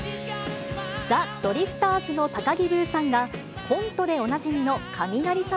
ザ・ドリフターズの高木ブーさんが、コントでおなじみの雷様